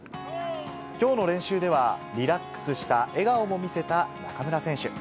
きょうの練習では、リラックスした笑顔も見せた中村選手。